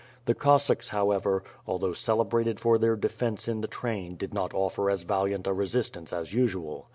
The Cossacks, however, although celebrated for their defence in the train did not offer as valiant a resistance as usual.